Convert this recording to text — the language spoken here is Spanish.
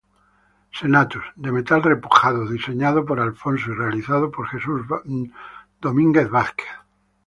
Senatus: De metal repujado, diseñado por Alfonso y realizado por Jesús Domínguez Vázquez.